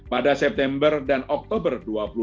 pada september dan oktober dua ribu dua puluh